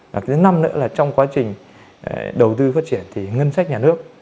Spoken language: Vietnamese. và thứ năm nữa là trong quá trình đầu tư phát triển thì ngân sách nhà nước